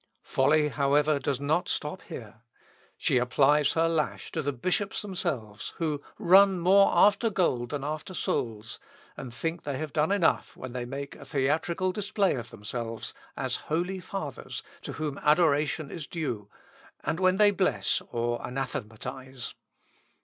Folly, however, does not stop here; she applies her lash to the bishops themselves, "who run more after gold than after souls, and think they have done enough when they make a theatrical display of themselves, as Holy Fathers, to whom adoration is due, and when they bless or anathematise."